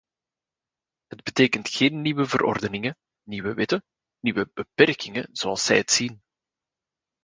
Het betekent geen nieuwe verordeningen, nieuwe wetten - nieuwe beperkingen, zoals zij het zien.